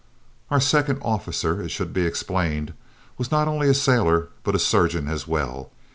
Our second officer, it should be explained, was not only a sailor but a surgeon as well.